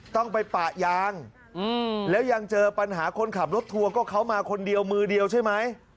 ต้องไปปะยางแล้วยังเจอปัญหาคนขับรถทัวร์ก็เขามาคนเดียวมือเดียวใช่ไหม